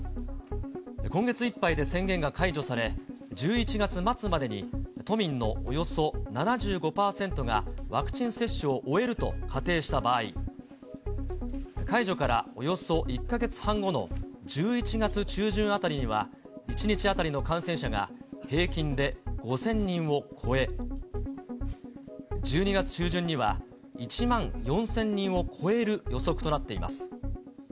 今月いっぱいで宣言が解除され、１１月末までに都民のおよそ７５％がワクチン接種を終えると仮定した場合、解除からおよそ１か月半後の１１月中旬あたりには、１日当たりの感染者が平均で５０００人を超え、１２月中旬には１万４０００人を超える予測となっています。